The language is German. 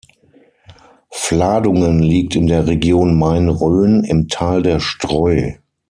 Fladungen liegt in der Region Main-Rhön, im Tal der Streu.